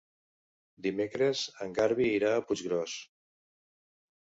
Dimecres en Garbí irà a Puiggròs.